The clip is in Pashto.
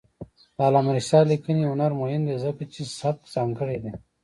د علامه رشاد لیکنی هنر مهم دی ځکه چې سبک ځانګړی دی.